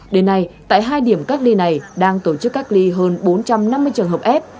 đến nay tại hai điểm cách ly này đang tổ chức cách ly hơn bốn trăm năm mươi trường hợp f